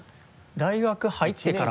大学入ってから。